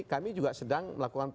kami juga sedang melakukan